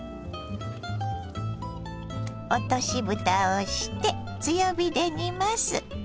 落としぶたをして強火で煮ます。